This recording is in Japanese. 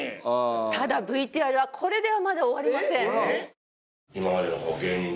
ただＶＴＲはこれではまだ終わりません。